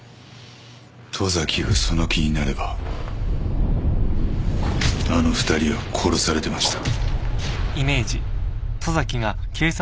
十崎がその気になればあの２人は殺されてました。